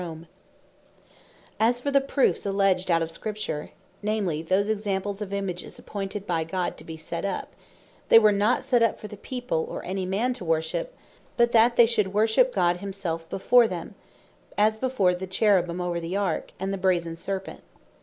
Answer To The Argument From The Cherubins, And Brazen Serpent As for the proofs alledged out of Scripture, namely, those examples of Images appointed by God to bee set up; They were not set up for the people, or any man to worship; but that they should worship God himselfe before them: as before the Cherubins over the Ark, and the Brazen Serpent.